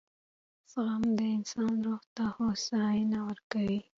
• زغم د انسان روح ته هوساینه ورکوي.